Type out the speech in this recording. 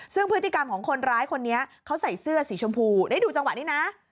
ซึ่งพฤติกรรมของคนร้ายคนนี้เขาใส่เสื้อสีชมพูได้ดูจังหวะนี้นะ